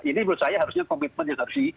ini menurut saya harusnya komitmen yang harus di